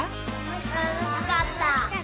たのしかった！